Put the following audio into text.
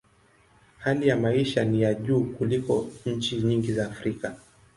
Hali ya maisha ni ya juu kuliko nchi nyingi za Afrika.